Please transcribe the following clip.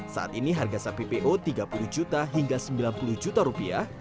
saat ini harga sapi po tiga puluh juta hingga sembilan puluh juta rupiah